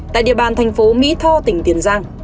tại địa bàn thành phố mỹ tho tỉnh tiền giang